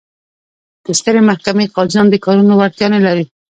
د سترې محکمې قاضیان د کارونو وړتیا نه لري.